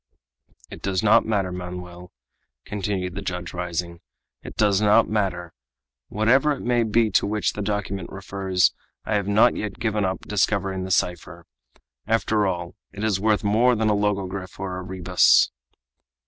"It does not matter, Manoel," continued the judge, rising; "it does not matter! Whatever it may be to which the document refers, I have not yet given up discovering the cipher. After all, it is worth more than a logogryph or a rebus!"